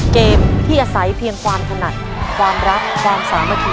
เกมที่อาศัยเพียงความถนัดความรักความสามัคคี